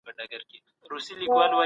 خپل مالونه په ناحقه سره مه خورئ.